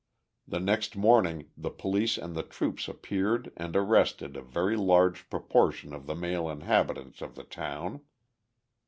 The next morning the police and the troops appeared and arrested a very large proportion of the male inhabitants of the town.